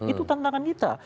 itu tantangan kita